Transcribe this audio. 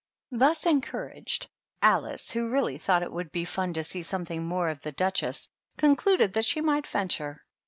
Thus encouraged, Alice, who really thought it would be fan to see something more of the Duchess, concluded that she might venture.